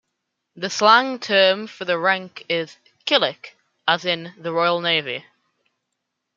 The slang term for the rank is "killick", as in the Royal Navy.